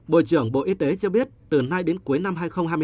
bộ trưởng bộ y tế cho biết từ nay đến cuối năm hai nghìn hai mươi bốn